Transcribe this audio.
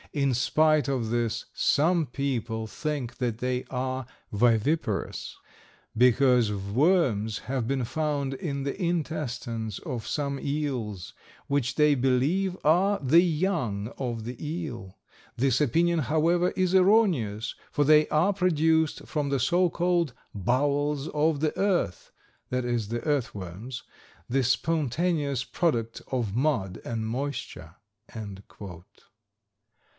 In spite of this some people think that they are viviparous, because worms have been found in the intestines of some eels, which they believe are the young of the eel. This opinion, however, is erroneous, for they are produced from the so called 'bowels of the earth' (i. e., the earth worms), the spontaneous product of mud and moisture."